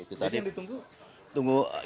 ini yang ditunggu